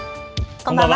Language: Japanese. こんばんは。